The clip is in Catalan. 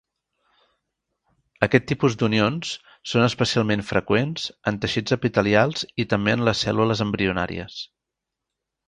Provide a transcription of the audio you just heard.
Aquest tipus d'unions són especialment freqüents en teixits epitelials i també en les cèl·lules embrionàries.